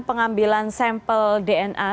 pengambilan sampel dna